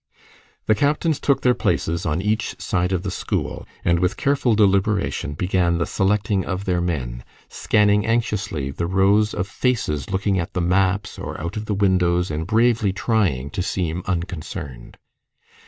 The captains took their places on each side of the school, and with careful deliberation, began the selecting of their men, scanning anxiously the rows of faces looking at the maps or out of the windows and bravely trying to seem unconcerned.